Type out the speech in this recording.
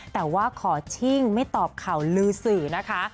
แต่ว่าขอชิ่งไม่ตอบข่าวลือสื่อนะคะ